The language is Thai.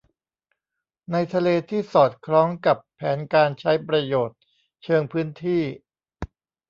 ในทะเลที่สอดคล้องกับแผนการใช้ประโยชน์เชิงพื้นที่